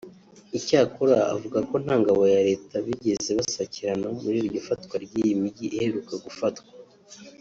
Icyakora avuga ko nta ngabo ya Leta bigeze basakirana muri iryo fatwa ry’iyi mijyi iheruka gufatwa